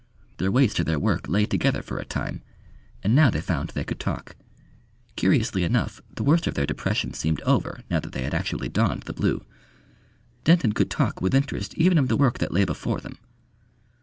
Their ways to their work lay together for a time. And now they found they could talk. Curiously enough, the worst of their depression seemed over now that they had actually donned the blue. Denton could talk with interest even of the work that lay before them.